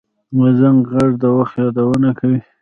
د زنګ غږ د وخت یادونه کوي